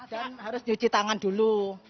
dan harus cuci tangan dulu